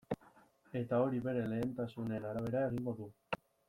Eta hori bere lehentasunen arabera egingo du.